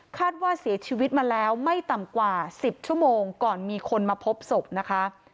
คาดว่าเสียชีวิตมาแล้วไม่ต่ำกว่า๑๐ชั่วโมงก่อนมีคนมาพบศพนะคะ